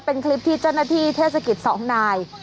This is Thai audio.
เป็นคลิปที่เจ้าหน้าที่เทศกิจ๒นาย